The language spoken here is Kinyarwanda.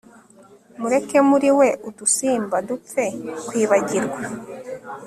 Mureke muri we udusimba dupfe kwibagirwa